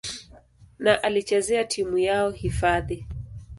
na alichezea timu yao hifadhi.